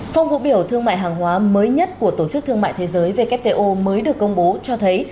phong vũ biểu thương mại hàng hóa mới nhất của tổ chức thương mại thế giới wto mới được công bố cho thấy